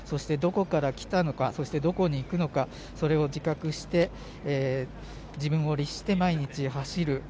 どこから来たのか、どこに行くのか、それを自覚して、自分を律して毎日走る。